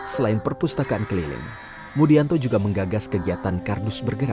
selain perpustakaan keliling mudianto juga menggagas kegiatan kardus bergerak